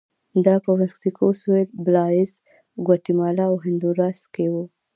دا په مکسیکو سوېل، بلایز، ګواتیمالا او هندوراس کې و